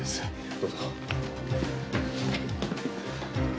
どうぞ。